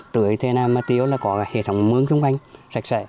tưới thế nào mà tiếu là có hệ thống mướn xung quanh sạch sẽ